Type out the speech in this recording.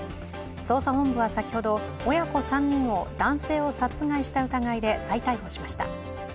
捜査本部は先ほど、親子３人を男性を殺害した疑いで再逮捕しました。